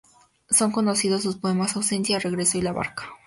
Son conocidos sus poemas "Ausencia", "Regreso", y "La Barca".